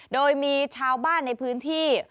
โดยมีชาวบ้านในพื้นที่